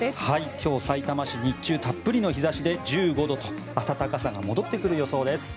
今日、さいたま市日中たっぷりの日差しで１５度と暖かさが戻ってくる予想です。